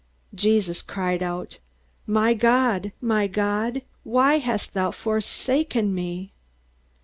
Jesus cried out, "My God, my God, why hast thou forsaken me?"